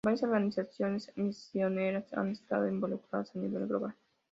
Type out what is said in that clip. Varias organizaciones misioneras han estado involucradas a nivel global.